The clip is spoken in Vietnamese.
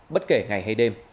bất kể ngày hay đêm